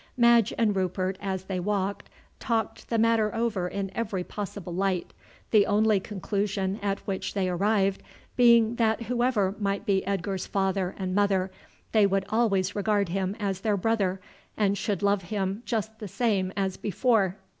Madge and Rupert as they walked talked the matter over in every possible light, the only conclusion at which they arrived being that whoever might be Edgar's father and mother they would always regard him as their brother, and should love him just the same as before.